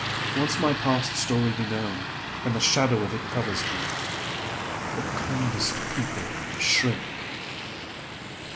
Once let my past story be known, and the shadow of it covers me; the kindest people shrink."